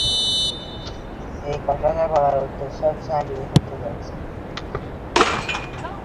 এই কথাটা বলার উদ্দেশ্য হচ্ছে, আমি বিয়ে করতে যাচ্ছি।